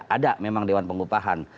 ada memang dewan pengupahan